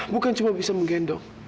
bukan cuma bisa menggendong